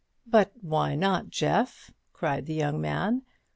"But why not, Jeff?" cried the young man.